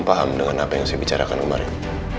paham dengan apa yang saya bicarakan kemarin